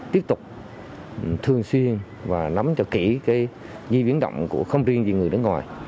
tiếp tục thường xuyên và nắm cho kỹ di biến động của không riêng gì người nước ngoài